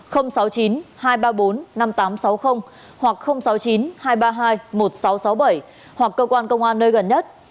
hoặc sáu mươi chín hai trăm ba mươi hai một nghìn sáu trăm sáu mươi bảy hoặc cơ quan công an nơi gần nhất